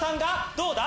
どうだ？